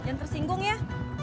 bang jangan tersinggung ya